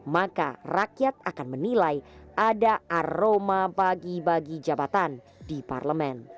maka rakyat akan menilai ada aroma bagi bagi jabatan di parlemen